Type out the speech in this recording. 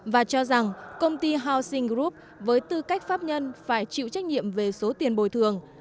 và cho rằng công ty housing group với tư cách pháp nhân phải chịu trách nhiệm về số tiền bồi thường